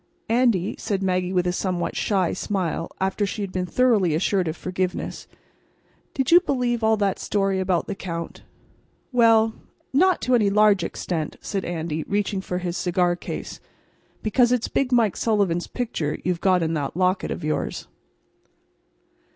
"Andy," said Maggie, with a somewhat shy smile, after she had been thoroughly assured of forgiveness, "did you believe all that story about the Count?" "Well, not to any large extent," said Andy, reaching for his cigar case, "because it's Big Mike Sullivan's picture you've got in that locket of yours."